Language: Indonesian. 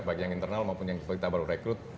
baik yang internal maupun yang kita baru rekrut